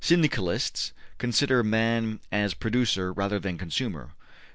Syndicalists consider man as producer rather than consumer.